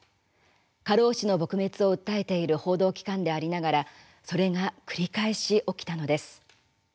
過労死の撲滅を訴えている報道機関でありながらそれが繰り返し起きたのです。